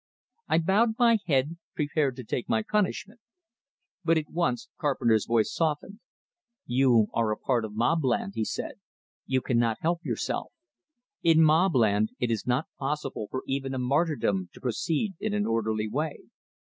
I bowed my head, prepared to take my punishment. But at once Carpenter's voice softened. "You are a part of Mobland," he said; "you cannot help yourself. In Mobland it is not possible for even a martyrdom to proceed in an orderly way."